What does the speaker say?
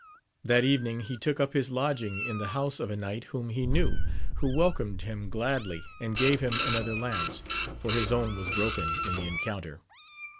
That evenihg he took up his lodging in the house of a knight whom he knew, who welcomed him gladly, and gave him another lance, for his own was broken in the encounter.